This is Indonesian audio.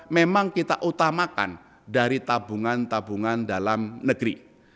memang kita utamakan dari tabungan tabungan dalam negeri